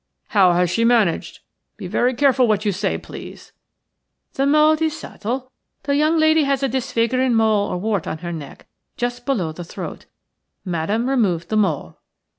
"How has she managed? Be very careful what you say, please." "The mode is subtle – the young lady had a disfiguring mole or wart on her neck, just below the throat. Madame removed the mole."